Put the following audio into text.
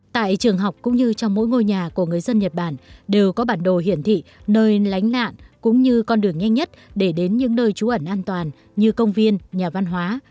tại trường học cũng như trong mỗi ngôi nhà của người dân nhật bản đều có bản đồ hiển thị nơi lánh nạn cũng như con đường nhanh nhất để đến những nơi trú ẩn an toàn như công viên nhà văn hóa